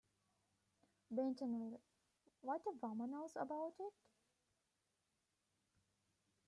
Bentonville: what a bummer knows about it.